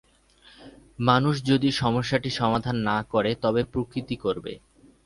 মানুষ যদি সমস্যাটির সমাধান না করে তবে প্রকৃতি করবে।